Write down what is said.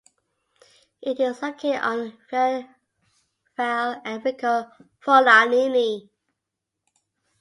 It is located on Viale Enrico Forlanini.